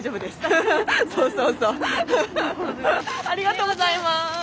ありがとうございます。